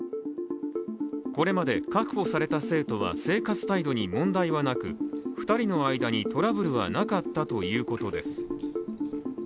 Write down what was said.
これまで、確保された生徒は生活態度に問題はなく２人の間にトラブルはなかったということです。